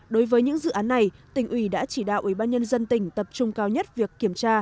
đối với những dự án này tỉnh ủy đã chỉ đạo ủy ban nhân dân tỉnh tập trung cao nhất việc kiểm tra